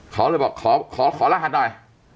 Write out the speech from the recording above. เขาเลยบอกขอรหัสหน่อย